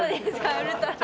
ウルトラ。